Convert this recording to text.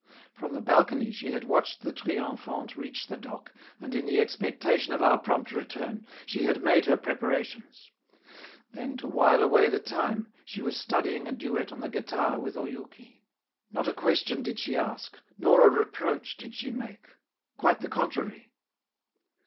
From the balcony she had watched the 'Triomphante' leave the dock, and, in the expectation of our prompt return, she had made her preparations; then, to wile away the time, she was studying a duet on the guitar with Oyouki. Not a question did she ask, nor a reproach did she make. Quite the contrary.